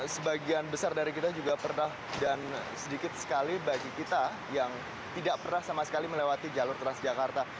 sebagian besar dari kita juga pernah dan sedikit sekali bagi kita yang tidak pernah sama sekali melewati jalur transjakarta